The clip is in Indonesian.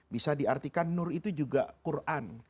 bisa diartikan nur itu juga quran